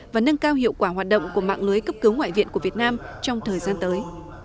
và nâng cao hiệu quả hoạt động của mạng lưới cấp cứu ngoại viện của việt nam trong thời gian tới